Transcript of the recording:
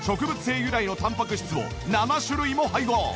由来のタンパク質を７種類も配合！